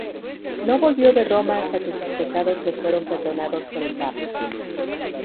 No volvió de Roma hasta que sus pecados le fueron perdonados por el Papa.